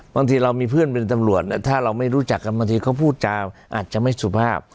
บางทีเรามีเพื่อนเป็นตำรวจถ้าเราไม่รู้จักกันบางทีเขาพูดจาอาจจะไม่สุภาพ